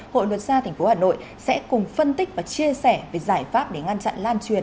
hội luật gia tp hà nội sẽ cùng phân tích và chia sẻ về giải pháp để ngăn chặn lan truyền